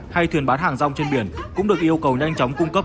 hay thuyền bán hàng rong trên biển cũng được yêu cầu nhanh chóng cung cấp